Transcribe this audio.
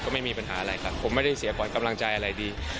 ไม่มีปัญหาอะไรครับผมไม่ได้เสียขวัญกำลังใจอะไรดี